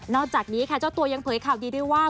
อกจากนี้ค่ะเจ้าตัวยังเผยข่าวดีด้วยว่า